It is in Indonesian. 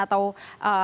atau apa namanya